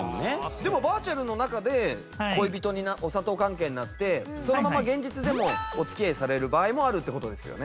でもバーチャルの中で恋人にお砂糖関係になってそのまま現実でもお付き合いされる場合もあるって事ですよね？